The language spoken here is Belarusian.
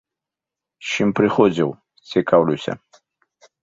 З чым прыходзіў, цікаўлюся.